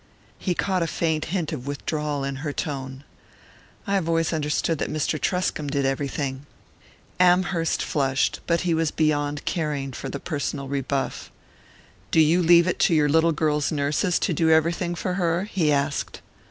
He caught a faint hint of withdrawal in her tone. "I have always understood that Mr. Truscomb did everything " Amherst flushed; but he was beyond caring for the personal rebuff. "Do you leave it to your little girl's nurses to do everything for her?" he asked.